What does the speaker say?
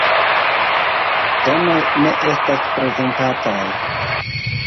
Tonoj ne estas prezentataj.